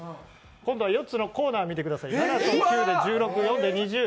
今度はコーナー見てください。